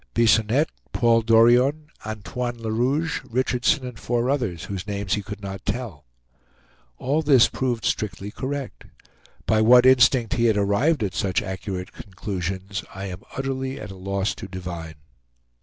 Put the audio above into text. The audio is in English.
Bisonette, Paul Dorion, Antoine Le Rouge, Richardson, and four others, whose names he could not tell. All this proved strictly correct. By what instinct he had arrived at such accurate conclusions, I am utterly at a loss to divine.